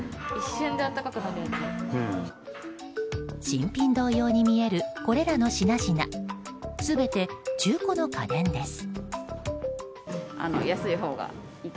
新品同様に見えるこれらの品々全て中古の家電です。